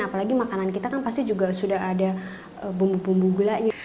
apalagi makanan kita kan pasti juga sudah ada bumbu bumbu gulanya